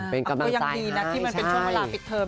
เป็นกำลังสายละ